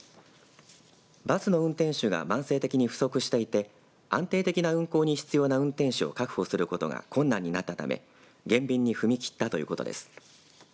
バスの運転手が慢性的に不足していて安定的な運行に必要な運転手を確保することが困難になったため減便に踏み切ったということです。